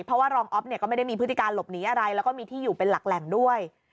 เพราะว่ารองอ๊อฟเนี่ยก็ไม่ได้มีพฤติการหลบหนีอะไรแล้วก็มีที่อยู่เป็นหลักแหล่งด้วย